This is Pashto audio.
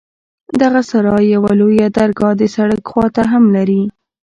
دغه سراى يوه لويه درګاه د سړک خوا ته هم لري.